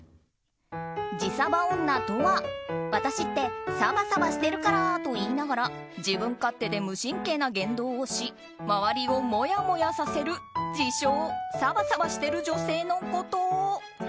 自サバ女とは私ってサバサバしてるからと言いながら自分勝手で無神経な言動をし周りをもやもやさせる自称サバサバしてる女性のこと。